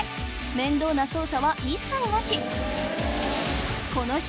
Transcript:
面倒な操作は一切なし！